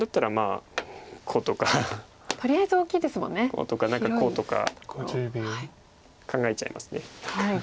こうとか何かこうとか考えちゃいます。